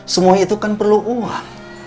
semua itu kan perlu uang